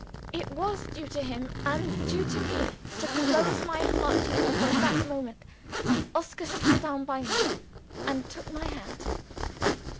It was due to him, and due to me, to close my heart to her, from that moment. Oscar sat down by me, and took my hand.